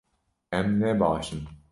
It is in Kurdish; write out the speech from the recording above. Em ne baş in